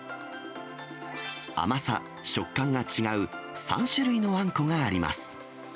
甘さ、食感が違う３種類のあんこがあります。